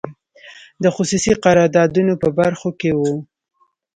د خصوصي قراردادونو په برخو کې وو.